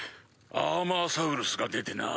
アーマーサウルスが出てな。